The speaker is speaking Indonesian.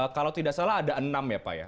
kalau tidak salah ada enam ya pak ya